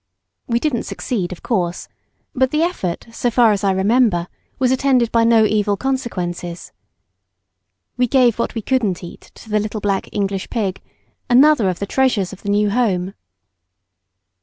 We didn't succeed, of course; but the effort, so far as I remember, was attended by no evil consequences. We gave what we couldn't eat to the little black English pig, another of the treasures of the new home.